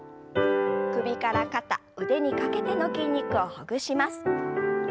首から肩腕にかけての筋肉をほぐします。